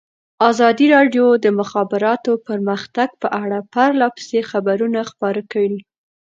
ازادي راډیو د د مخابراتو پرمختګ په اړه پرله پسې خبرونه خپاره کړي.